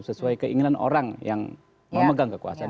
sesuai keinginan orang yang memegang kekuasaan